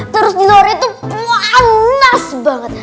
terus diluar itu panas banget